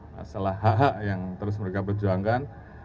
masalah hak hak yang terus mereka berjuangkan